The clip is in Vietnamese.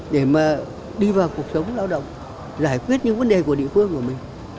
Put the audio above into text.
để mà đi vào cuộc sống lao động giải quyết những vấn đề của địa phương của mình